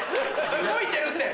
動いてるって！